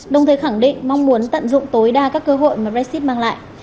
đồng thời khẳng định mong muốn tận dụng tối đa các cơ hội mà brexit mang lại